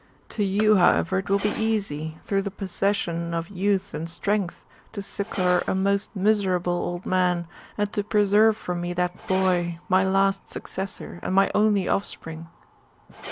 To you, however, it will be easy, through the possession of youth and strength, to succour a most miserable old man, and to preserve for me that boy, my last successor, and my only offspring."